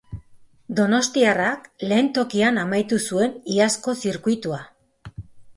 Donostiarrak lehen tokian amaitu zuen iazko zirkuitua.